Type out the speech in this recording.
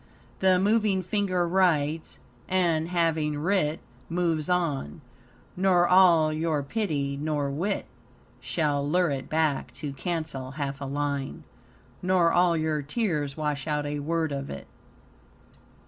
" "The moving finger writes; and, having writ, Moves on; nor all your piety nor wit Shall lure it back to cancel half a line , Nor all your tears wash out a word of it."